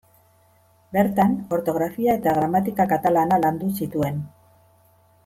Bertan ortografia eta gramatika katalana landu zituen.